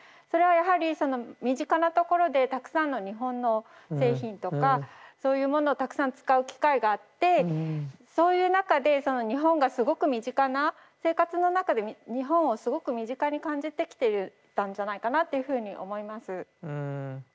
それはやはり身近なところでたくさんの日本の製品とかそういうものをたくさん使う機会があってそういう中でその日本がすごく身近な生活の中で日本をすごく身近に感じてきてたんじゃないかなっていうふうに思います。